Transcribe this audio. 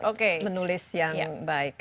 apakah bisa hidup dari sana menyenangkan tips